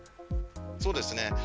そうですね。